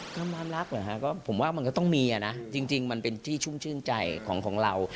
ความรักเหรอฮะก็ผมว่ามันก็ต้องมีนะจริงมันเป็นที่ชุ่มชื่นใจของเรา